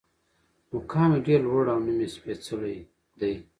مقام یې ډېر لوړ او نوم یې سپېڅلی دی.